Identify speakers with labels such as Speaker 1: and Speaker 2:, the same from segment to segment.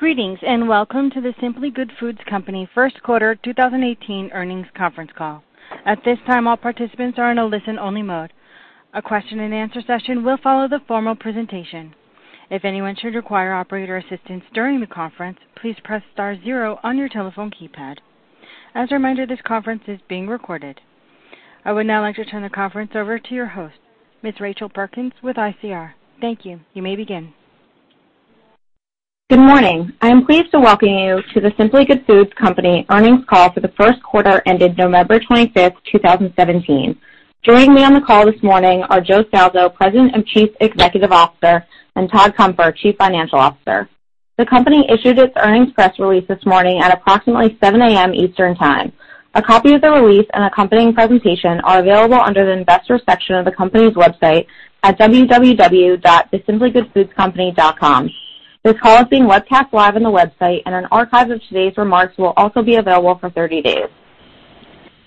Speaker 1: Greetings, welcome to The Simply Good Foods Company first quarter 2018 earnings conference call. At this time, all participants are in a listen-only mode. A question and answer session will follow the formal presentation. If anyone should require operator assistance during the conference, please press star zero on your telephone keypad. As a reminder, this conference is being recorded. I would now like to turn the conference over to your host, Ms. Rachel Perkins with ICR. Thank you. You may begin.
Speaker 2: Good morning. I am pleased to welcome you to The Simply Good Foods Company earnings call for the first quarter ended November 25th, 2017. Joining me on the call this morning are Joe Scalzo, President and Chief Executive Officer, and Todd Cunfer, Chief Financial Officer. The company issued its earnings press release this morning at approximately 7:00 A.M. Eastern Time. A copy of the release and accompanying presentation are available under the investors section of the company's website at www.thesimplygoodfoodscompany.com. This call is being webcast live on the website, an archive of today's remarks will also be available for 30 days.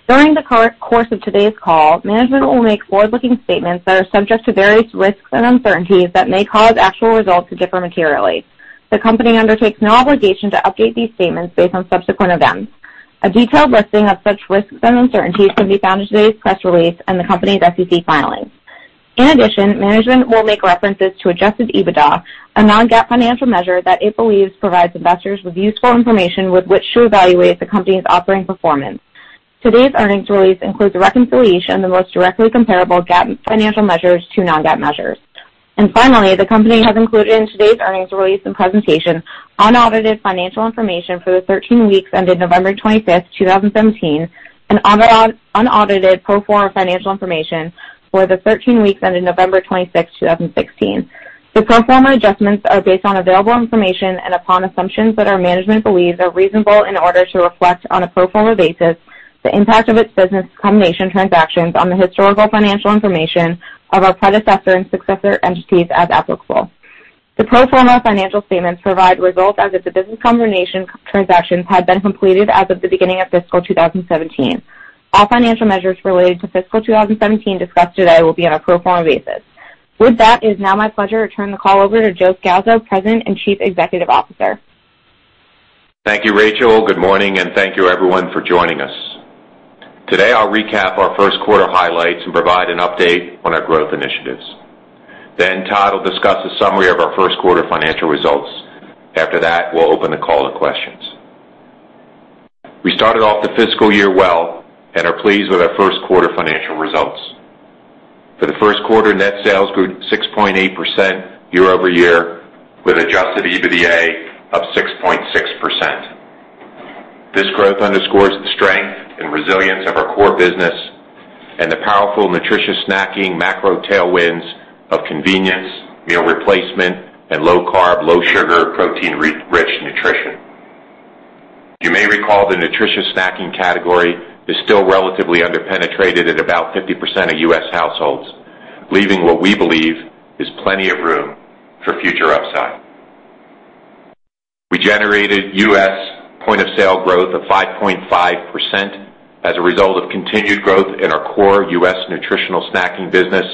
Speaker 2: During the course of today's call, management will make forward-looking statements that are subject to various risks and uncertainties that may cause actual results to differ materially. The company undertakes no obligation to update these statements based on subsequent events. A detailed listing of such risks and uncertainties can be found in today's press release and the company's SEC filings. In addition, management will make references to adjusted EBITDA, a non-GAAP financial measure that it believes provides investors with useful information with which to evaluate the company's operating performance. Today's earnings release includes a reconciliation of the most directly comparable GAAP financial measures to non-GAAP measures. Finally, the company has included in today's earnings release and presentation unaudited financial information for the 13 weeks ended November 25th, 2017, and unaudited pro forma financial information for the 13 weeks ended November 25th, 2016. The pro forma adjustments are based on available information and upon assumptions that our management believes are reasonable in order to reflect, on a pro forma basis, the impact of its business combination transactions on the historical financial information of our predecessor and successor entities as applicable. The pro forma financial statements provide results as if the business combination transactions had been completed as of the beginning of fiscal 2017. All financial measures related to fiscal 2017 discussed today will be on a pro forma basis. With that, it is now my pleasure to turn the call over to Joe Scalzo, President and Chief Executive Officer.
Speaker 3: Thank you, Rachel. Good morning, and thank you, everyone, for joining us. Today, I'll recap our first quarter highlights and provide an update on our growth initiatives. Todd will discuss a summary of our first quarter financial results. We'll open the call to questions. We started off the fiscal year well and are pleased with our first quarter financial results. For the first quarter, net sales grew 6.8% year-over-year, with adjusted EBITDA of 6.6%. This growth underscores the strength and resilience of our core business and the powerful nutritious snacking macro tailwinds of convenience, meal replacement, and low-carb, low-sugar, protein-rich nutrition. You may recall the nutritious snacking category is still relatively underpenetrated at about 50% of U.S. households, leaving what we believe is plenty of room for future upside. We generated U.S. point of sale growth of 5.5% as a result of continued growth in our core U.S. nutritional snacking business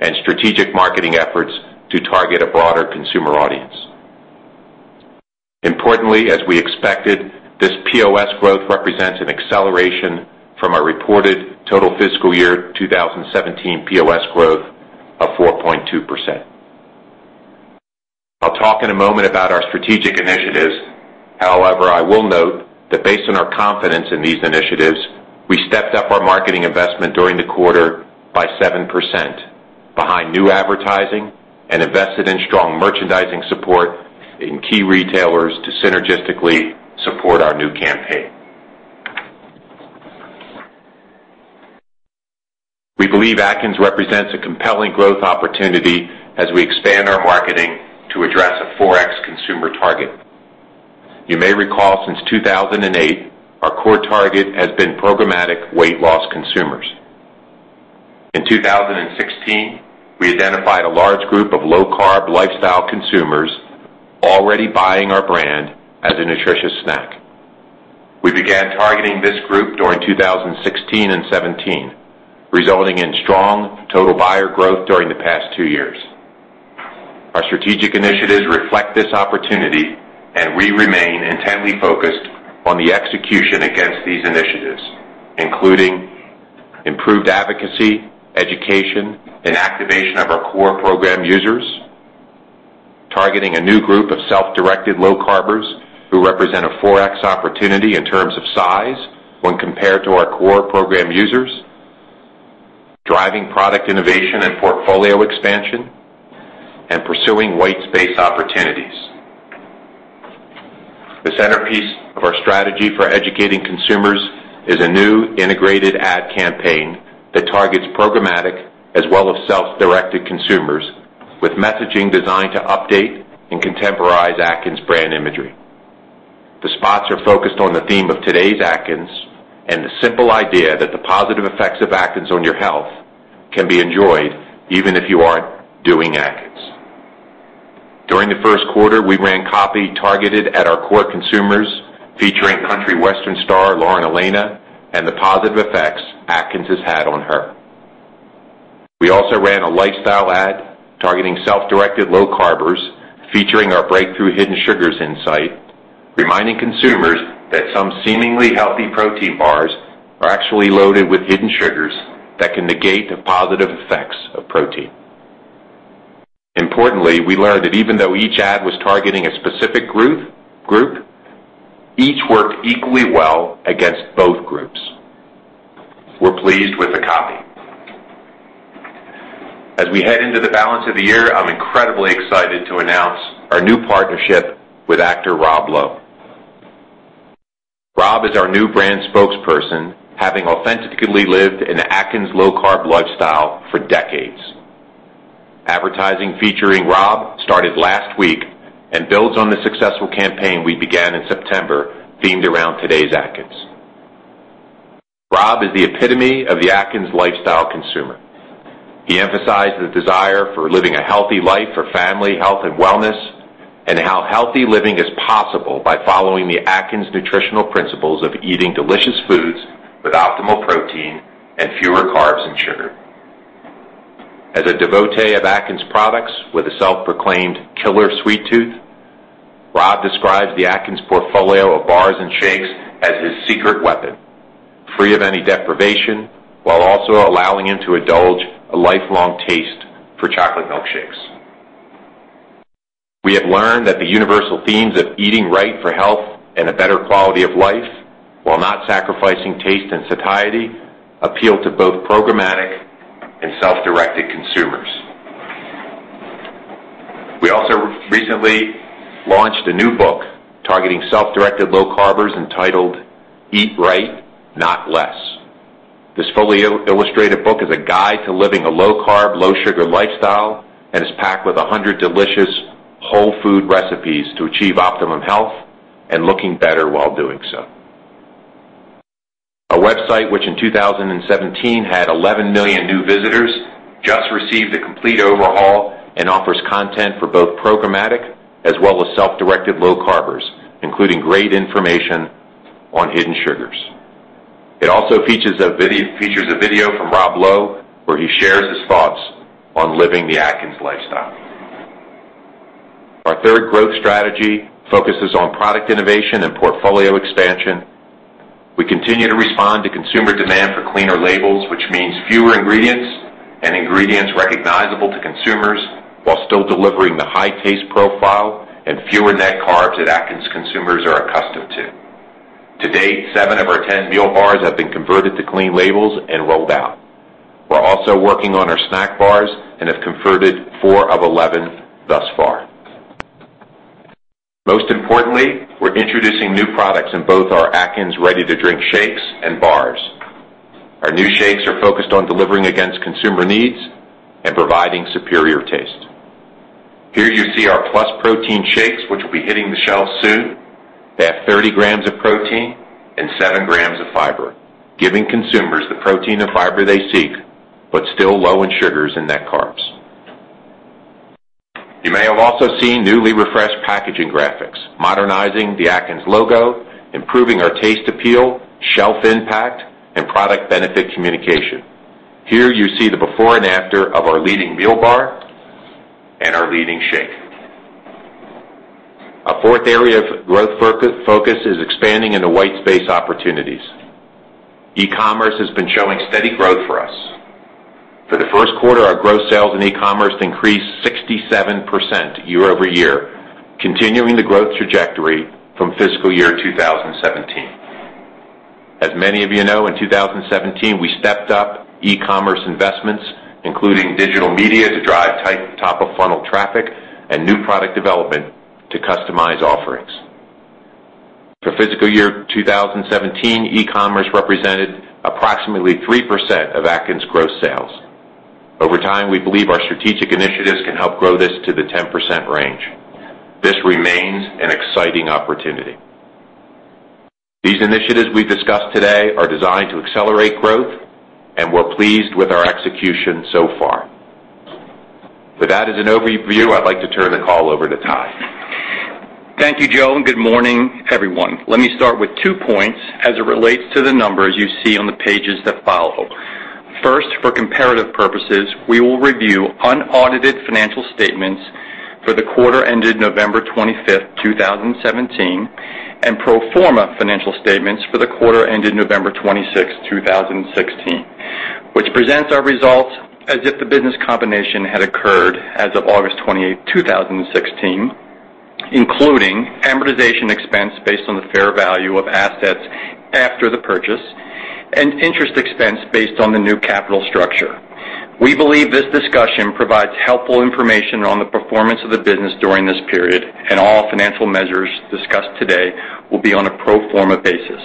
Speaker 3: and strategic marketing efforts to target a broader consumer audience. Importantly, as we expected, this POS growth represents an acceleration from our reported total fiscal year 2017 POS growth of 4.2%. I'll talk in a moment about our strategic initiatives. I will note that based on our confidence in these initiatives, we stepped up our marketing investment during the quarter by 7% behind new advertising and invested in strong merchandising support in key retailers to synergistically support our new campaign. We believe Atkins represents a compelling growth opportunity as we expand our marketing to address a 4X consumer target. You may recall since 2008, our core target has been programmatic weight loss consumers. In 2016, we identified a large group of low-carb lifestyle consumers already buying our brand as a nutritious snack. We began targeting this group during 2016 and 2017, resulting in strong total buyer growth during the past two years. Our strategic initiatives reflect this opportunity, and we remain intently focused on the execution against these initiatives, including improved advocacy, education, and activation of our core program users; targeting a new group of self-directed low carbers who represent a 4X opportunity in terms of size when compared to our core program users; driving product innovation and portfolio expansion; and pursuing white space opportunities. The centerpiece of our strategy for educating consumers is a new integrated ad campaign that targets programmatic as well as self-directed consumers with messaging designed to update and contemporize Atkins brand imagery. The spots are focused on the theme of today's Atkins and the simple idea that the positive effects of Atkins on your health can be enjoyed even if you aren't doing Atkins. During the first quarter, we ran copy targeted at our core consumers, featuring country western star Lauren Alaina and the positive effects Atkins has had on her. In a lifestyle ad targeting self-directed low carbers, featuring our breakthrough hidden sugars insight, reminding consumers that some seemingly healthy protein bars are actually loaded with hidden sugars that can negate the positive effects of protein. Importantly, we learned that even though each ad was targeting a specific group, each worked equally well against both groups. We're pleased with the copy. As we head into the balance of the year, I'm incredibly excited to announce our new partnership with actor Rob Lowe. Rob is our new brand spokesperson, having authentically lived an Atkins low carb lifestyle for decades. Advertising featuring Rob started last week and builds on the successful campaign we began in September themed around today's Atkins. Rob is the epitome of the Atkins lifestyle consumer. He emphasized the desire for living a healthy life for family health and wellness, and how healthy living is possible by following the Atkins nutritional principles of eating delicious foods with optimal protein and fewer carbs and sugar. As a devotee of Atkins products with a self-proclaimed killer sweet tooth, Rob describes the Atkins portfolio of bars and shakes as his secret weapon, free of any deprivation, while also allowing him to indulge a lifelong taste for chocolate milkshakes. We have learned that the universal themes of eating right for health and a better quality of life, while not sacrificing taste and satiety, appeal to both programmatic and self-directed consumers. We also recently launched a new book targeting self-directed low carbers entitled "Eat Right, Not Less." This fully illustrated book is a guide to living a low-carb, low-sugar lifestyle and is packed with 100 delicious whole food recipes to achieve optimum health and looking better while doing so. Our website, which in 2017 had 11 million new visitors, just received a complete overhaul and offers content for both programmatic as well as self-directed low carbers, including great information on hidden sugars. It also features a video from Rob Lowe where he shares his thoughts on living the Atkins lifestyle. Our third growth strategy focuses on product innovation and portfolio expansion. We continue to respond to consumer demand for cleaner labels, which means fewer ingredients and ingredients recognizable to consumers while still delivering the high taste profile and fewer net carbs that Atkins consumers are accustomed to. To date, seven of our 10 meal bars have been converted to clean labels and rolled out. We're also working on our snack bars and have converted four of 11 thus far. Most importantly, we're introducing new products in both our Atkins ready-to-drink shakes and bars. Our new shakes are focused on delivering against consumer needs and providing superior taste. Here you see our Plus Protein Shakes, which will be hitting the shelves soon. They have 30 grams of protein and seven grams of fiber, giving consumers the protein and fiber they seek, but still low in sugars and net carbs. You may have also seen newly refreshed packaging graphics, modernizing the Atkins logo, improving our taste appeal, shelf impact, and product benefit communication. Here you see the before and after of our leading meal bar and our leading shake. Our fourth area of growth focus is expanding into white space opportunities. E-commerce has been showing steady growth for us. For the first quarter, our gross sales in e-commerce increased 67% year-over-year, continuing the growth trajectory from fiscal year 2017. As many of you know, in 2017, we stepped up e-commerce investments, including digital media to drive top-of-funnel traffic and new product development to customize offerings. For fiscal year 2017, e-commerce represented approximately 3% of Atkins' gross sales. Over time, we believe our strategic initiatives can help grow this to the 10% range. This remains an exciting opportunity. These initiatives we've discussed today are designed to accelerate growth, and we're pleased with our execution so far. With that as an overview, I'd like to turn the call over to Todd.
Speaker 4: Thank you, Joe, and good morning, everyone. Let me start with two points as it relates to the numbers you see on the pages that follow. First, for comparative purposes, we will review unaudited financial statements for the quarter ended November 25th, 2017, and pro forma financial statements for the quarter ended November 26th, 2016, which presents our results as if the business combination had occurred as of August 28th, 2016, including amortization expense based on the fair value of assets after the purchase and interest expense based on the new capital structure. We believe this discussion provides helpful information on the performance of the business during this period, and all financial measures discussed today will be on a pro forma basis.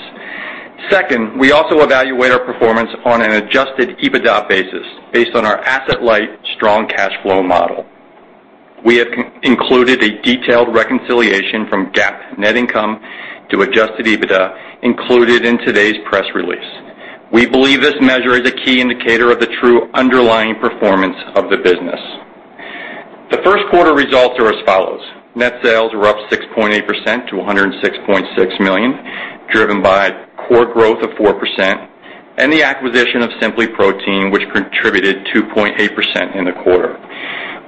Speaker 4: Second, we also evaluate our performance on an adjusted EBITDA basis based on our asset-light, strong cash flow model. We have included a detailed reconciliation from GAAP net income to adjusted EBITDA included in today's press release. We believe this measure is a key indicator of the true underlying performance of the business. The first quarter results are as follows. Net sales were up 6.8% to $106.6 million, driven by core growth of 4%, and the acquisition of SimplyProtein, which contributed 2.8% in the quarter.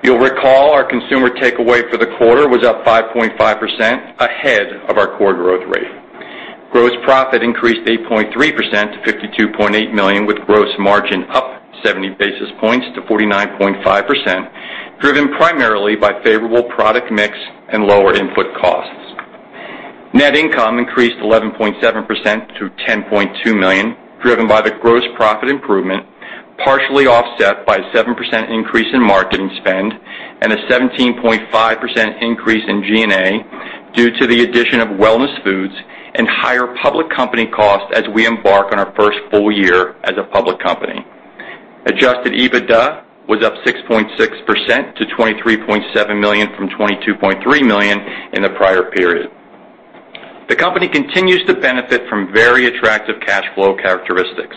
Speaker 4: You'll recall our consumer takeaway for the quarter was up 5.5%, ahead of our core growth rate. Gross profit increased 8.3% to $52.8 million, with gross margin up 70 basis points to 49.5%, driven primarily by favorable product mix and lower input costs. Net income increased 11.7% to $10.2 million, driven by the gross profit improvement, partially offset by a 7% increase in marketing spend and a 17.5% increase in G&A due to the addition of Wellness Foods and higher public company costs as we embark on our first full year as a public company. Adjusted EBITDA was up 6.6% to $23.7 million from $22.3 million in the prior period. The company continues to benefit from very attractive cash flow characteristics.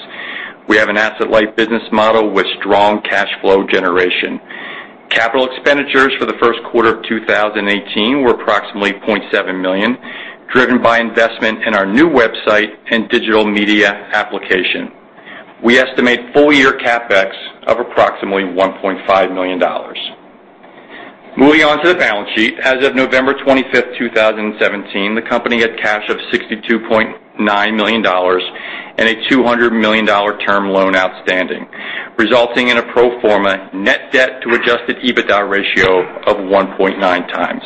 Speaker 4: We have an asset-light business model with strong cash flow generation. Capital expenditures for the first quarter of 2018 were approximately $0.7 million, driven by investment in our new website and digital media application. We estimate full-year CapEx of approximately $1.5 million. Moving on to the balance sheet. As of November 25th, 2017, the company had cash of $62.9 million and a $200 million term loan outstanding, resulting in a pro forma net debt to adjusted EBITDA ratio of 1.9 times.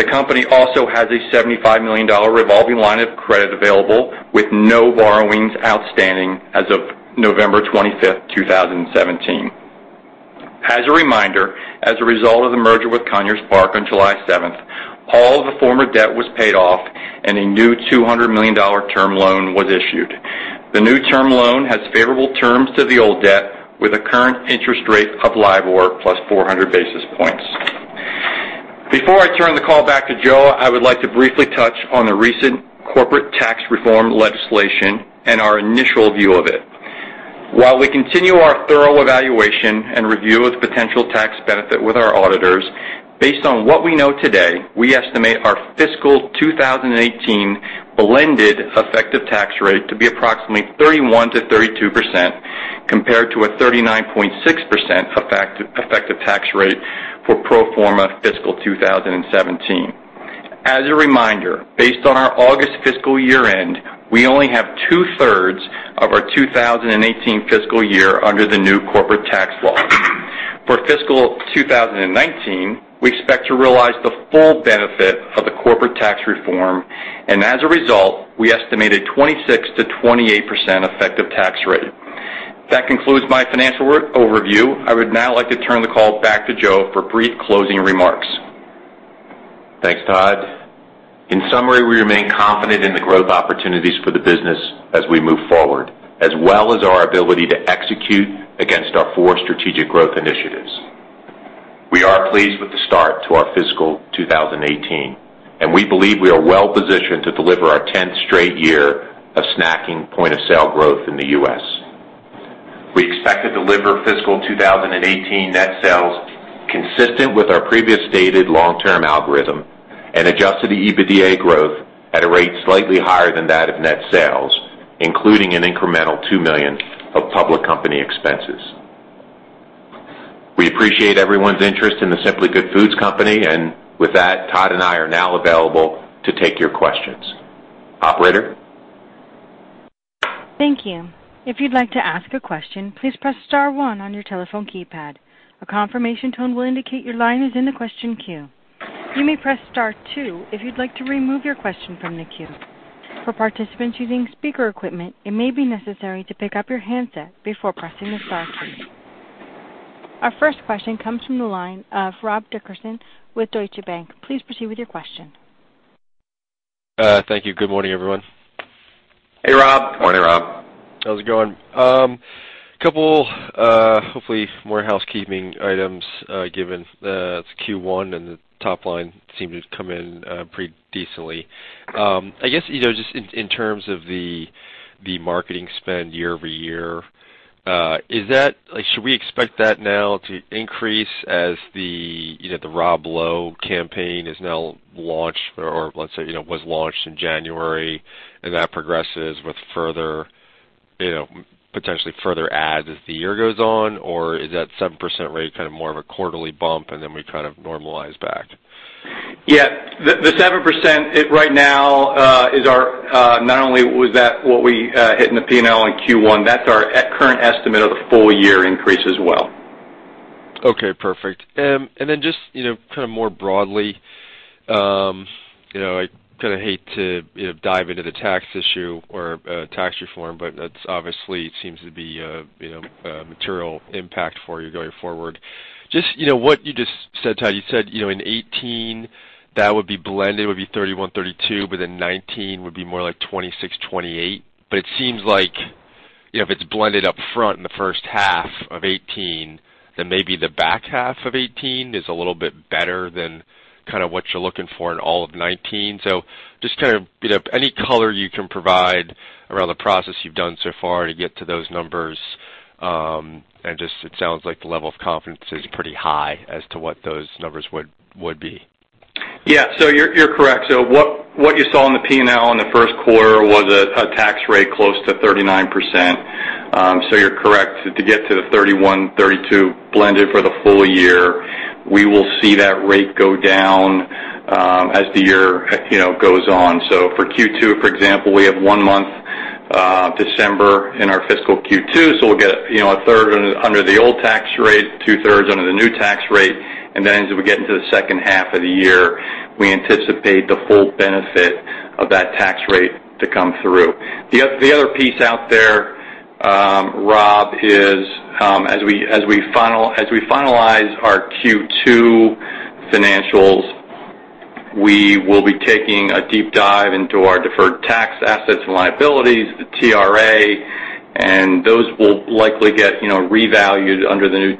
Speaker 4: The company also has a $75 million revolving line of credit available with no borrowings outstanding as of November 25th, 2017. As a reminder, as a result of the merger with Conyers Park on July 7th, all the former debt was paid off and a new $200 million term loan was issued. The new term loan has favorable terms to the old debt with a current interest rate of LIBOR plus 400 basis points. Before I turn the call back to Joe, I would like to briefly touch on the recent corporate tax reform legislation and our initial view of it. While we continue our thorough evaluation and review of the potential tax benefit with our auditors, based on what we know today, we estimate our fiscal 2018 blended effective tax rate to be approximately 31%-32%, compared to a 39.6% effective tax rate for pro forma fiscal 2017. As a reminder, based on our August fiscal year end, we only have two-thirds of our 2018 fiscal year under the new corporate tax law. For fiscal 2019, we expect to realize the full benefit of the corporate tax reform. As a result, we estimate a 26%-28% effective tax rate. That concludes my financial overview. I would now like to turn the call back to Joe for brief closing remarks.
Speaker 3: Thanks, Todd. In summary, we remain confident in the growth opportunities for the business as we move forward, as well as our ability to execute against our four strategic growth initiatives. We are pleased with the start to our fiscal 2018. We believe we are well positioned to deliver our 10th straight year of snacking point-of-sale growth in the U.S. We expect to deliver fiscal 2018 net sales consistent with our previous stated long-term algorithm and adjusted EBITDA growth at a rate slightly higher than that of net sales, including an incremental $2 million of public company expenses. We appreciate everyone's interest in The Simply Good Foods Company. With that, Todd and I are now available to take your questions. Operator?
Speaker 1: Thank you. If you'd like to ask a question, please press star one on your telephone keypad. A confirmation tone will indicate your line is in the question queue. You may press star two if you'd like to remove your question from the queue. For participants using speaker equipment, it may be necessary to pick up your handset before pressing the star key. Our first question comes from the line of Rob Dickerson with Deutsche Bank. Please proceed with your question.
Speaker 5: Thank you. Good morning, everyone.
Speaker 3: Hey, Rob.
Speaker 4: Morning, Rob.
Speaker 5: How's it going? Couple hopefully more housekeeping items given it's Q1 and the top line seemed to come in pretty decently. I guess just in terms of the marketing spend year-over-year, should we expect that now to increase as the Rob Lowe campaign is now launched or let's say was launched in January and that progresses with potentially further ads as the year goes on or is that 7% rate kind of more of a quarterly bump and then we kind of normalize back?
Speaker 4: Yeah. The 7% right now, not only was that what we hit in the P&L in Q1, that's our current estimate of the full year increase as well.
Speaker 5: Okay, perfect. Then more broadly, I kind of hate to dive into the tax issue or tax reform, but that obviously seems to be a material impact for you going forward. What you just said, Todd, you said in 2018 that would be blended, would be 31%, 32%, but then 2019 would be more like 26%, 28%. It seems like if it's blended up front in the first half of 2018, then maybe the back half of 2018 is a little bit better than what you're looking for in all of 2019. Can you provide any color around the process you've done so far to get to those numbers, and it sounds like the level of confidence is pretty high as to what those numbers would be?
Speaker 4: Yeah. You're correct. What you saw in the P&L in the first quarter was a tax rate close to 39%. You're correct. To get to the 31%, 32% blended for the full year, we will see that rate go down as the year goes on. For Q2, for example, we have one month, December, in our fiscal Q2, so we'll get a third under the old tax rate, two-thirds under the new tax rate. As we get into the second half of the year, we anticipate the full benefit of that tax rate to come through. The other piece out there, Rob, is as we finalize our Q2 financials, we will be taking a deep dive into our deferred tax assets and liabilities, the TRA. Those will likely get revalued under the new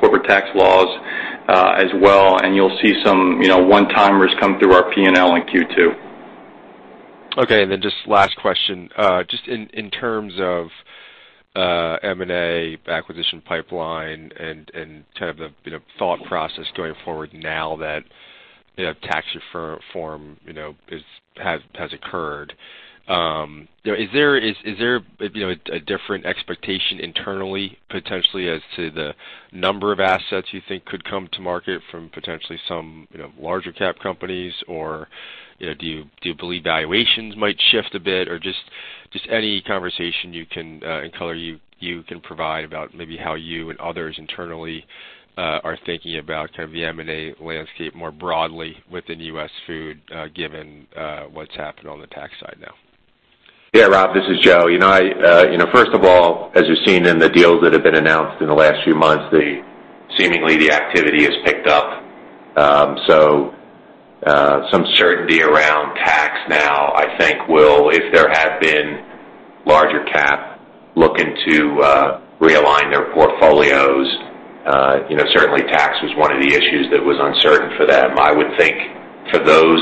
Speaker 4: corporate tax laws as well, and you'll see some one-timers come through our P&L in Q2.
Speaker 5: Okay, just last question. Just in terms of M&A acquisition pipeline and the thought process going forward now that tax reform has occurred. Is there a different expectation internally, potentially, as to the number of assets you think could come to market from potentially some larger-cap companies? Or, do you believe valuations might shift a bit? Or just any conversation you can and color you can provide about maybe how you and others internally are thinking about the M&A landscape more broadly within U.S. Food, given what's happened on the tax side now.
Speaker 3: Rob, this is Joe. First of all, as you've seen in the deals that have been announced in the last few months, seemingly the activity has picked up. Some certainty around tax now, I think will, if there had been larger-cap looking to realign their portfolios, certainly tax was one of the issues that was uncertain for them. I would think for those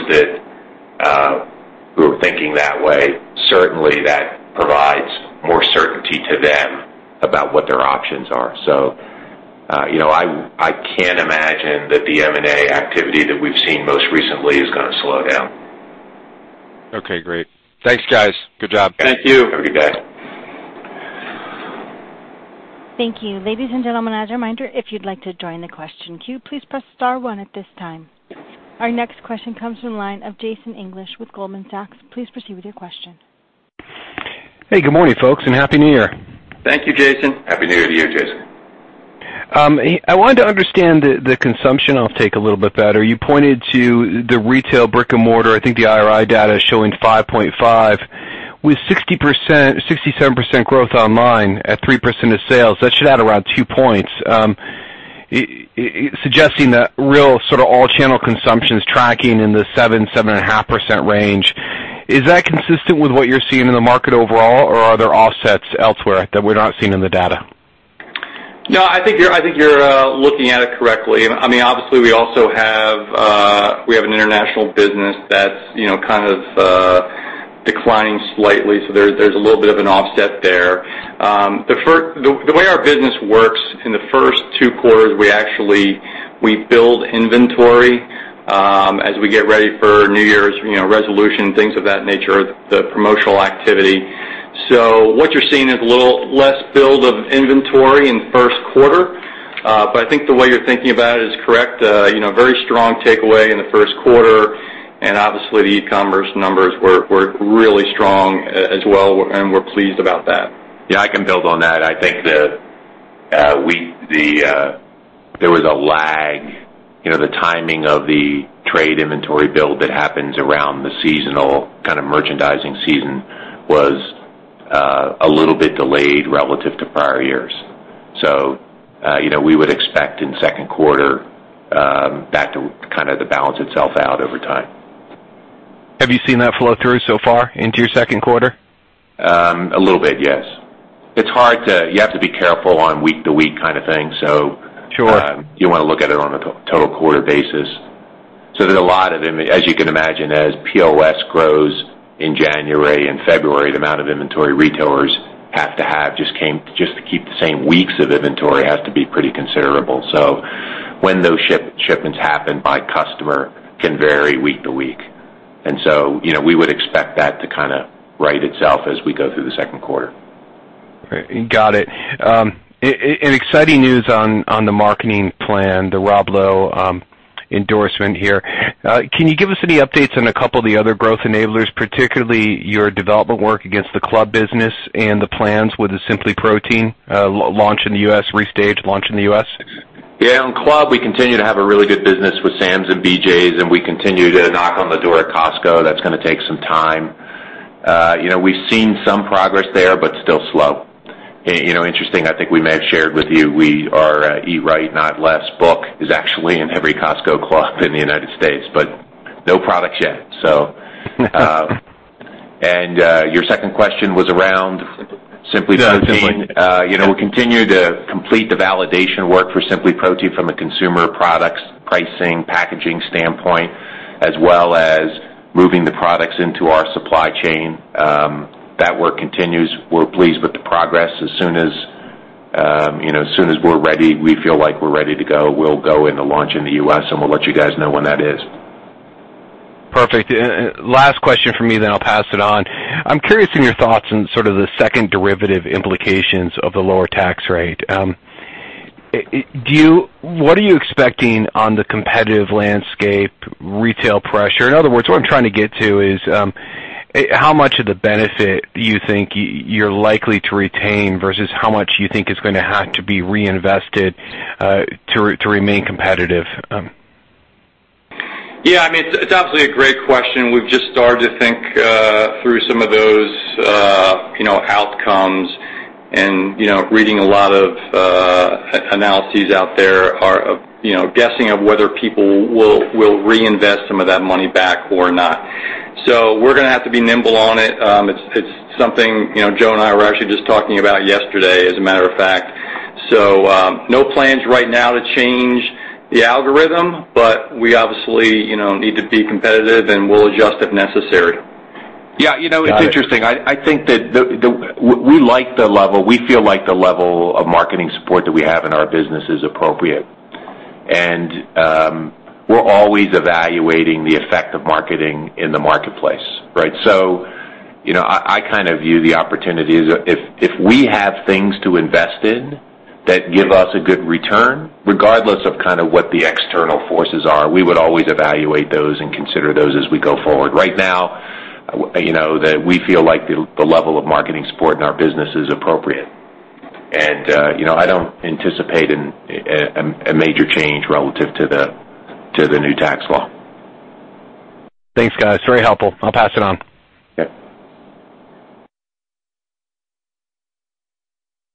Speaker 3: who are thinking that way, certainly that provides more certainty to them about what their options are. I can't imagine that the M&A activity that we've seen most recently is going to slow down.
Speaker 5: Okay, great. Thanks, guys. Good job.
Speaker 4: Thank you.
Speaker 3: Have a good day.
Speaker 1: Thank you. Ladies and gentlemen, as a reminder, if you'd like to join the question queue, please press star one at this time. Our next question comes from the line of Jason English with Goldman Sachs. Please proceed with your question.
Speaker 6: Hey, good morning, folks, and Happy New Year.
Speaker 4: Thank you, Jason.
Speaker 3: Happy New Year to you, Jason.
Speaker 6: I wanted to understand the consumption uptake a little bit better. You pointed to the retail brick-and-mortar. I think the IRI data is showing 5.5 with 67% growth online at 3% of sales. That should add around two points, suggesting that real all channel consumption is tracking in the 7.5% range. Is that consistent with what you're seeing in the market overall, or are there offsets elsewhere that we're not seeing in the data?
Speaker 4: No, I think you're looking at it correctly. Obviously, we also have an international business that's kind of declining slightly, so there's a little bit of an offset there. The way our business works, in the first two quarters, we actually build inventory as we get ready for New Year's resolution, things of that nature, the promotional activity. What you're seeing is a little less build of inventory in the first quarter. I think the way you're thinking about it is correct. Obviously, the e-commerce numbers were really strong as well, and we're pleased about that.
Speaker 3: Yeah, I can build on that. I think there was a lag. The timing of the trade inventory build that happens around the seasonal merchandising season was a little bit delayed relative to prior years. We would expect in the second quarter that to kind of balance itself out over time.
Speaker 6: Have you seen that flow through so far into your second quarter?
Speaker 3: A little bit, yes. You have to be careful on week-to-week kind of thing.
Speaker 6: Sure
Speaker 3: you want to look at it on a total quarter basis. There's a lot of as you can imagine, as POS grows in January and February, the amount of inventory retailers have to have just to keep the same weeks of inventory has to be pretty considerable. When those shipments happen by customer can vary week to week. We would expect that to kind of right itself as we go through the second quarter.
Speaker 6: Great. Got it. Exciting news on the marketing plan, the Rob Lowe endorsement here. Can you give us any updates on a couple of the other growth enablers, particularly your development work against the club business and the plans with the SimplyProtein launch in the U.S., restage launch in the U.S.?
Speaker 4: On Club, we continue to have a really good business with Sam's and BJ's, and we continue to knock on the door at Costco. That's going to take some time. We've seen some progress there, but still slow. Interesting, I think we may have shared with you, our "Eat Right, Not Less" book is actually in every Costco club in the U.S., but no products yet. Your second question was around-
Speaker 3: SimplyProtein. We continue to complete the validation work for SimplyProtein from a consumer products pricing, packaging standpoint, as well as moving the products into our supply chain. That work continues. We're pleased with the progress. As soon as we're ready, we feel like we're ready to go, we'll go and launch in the U.S. We'll let you guys know when that is.
Speaker 6: Perfect. Last question from me, then I'll pass it on. I'm curious in your thoughts on sort of the second derivative implications of the lower tax rate. What are you expecting on the competitive landscape, retail pressure? In other words, what I'm trying to get to is, how much of the benefit do you think you're likely to retain versus how much you think is going to have to be reinvested to remain competitive?
Speaker 4: It's obviously a great question. We've just started to think through some of those outcomes and reading a lot of analyses out there are guessing of whether people will reinvest some of that money back or not. We're going to have to be nimble on it. It's something Joe and I were actually just talking about yesterday, as a matter of fact. No plans right now to change the algorithm, but we obviously need to be competitive, and we'll adjust if necessary.
Speaker 3: Yeah. It's interesting. I think that we like the level. We feel like the level of marketing support that we have in our business is appropriate. We're always evaluating the effect of marketing in the marketplace, right? I kind of view the opportunity as if we have things to invest in that give us a good return, regardless of kind of what the external forces are, we would always evaluate those and consider those as we go forward. Right now, we feel like the level of marketing support in our business is appropriate. I don't anticipate a major change relative to the new tax law.
Speaker 6: Thanks, guys. Very helpful. I'll pass it on.
Speaker 4: Yep.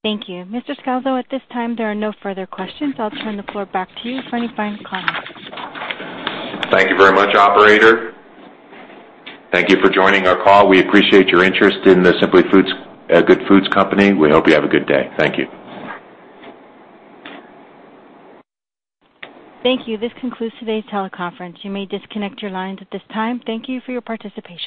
Speaker 1: Thank you. Mr. Scalzo, at this time, there are no further questions. I'll turn the floor back to you for any final comments.
Speaker 3: Thank you very much, operator. Thank you for joining our call. We appreciate your interest in The Simply Good Foods Company. We hope you have a good day. Thank you.
Speaker 1: Thank you. This concludes today's teleconference. You may disconnect your lines at this time. Thank you for your participation.